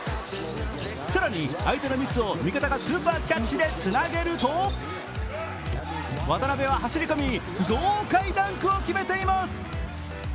更に、相手のミスを味方がスーパーキャッチでつなげると渡邊は走り込み、豪快ダンクを決めています。